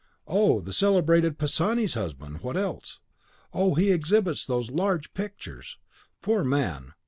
Oh, the celebrated Pisani's husband! What else? Oh, he exhibits those large pictures! Poor man!